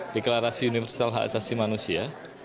deklarasi universal hak asasi manusia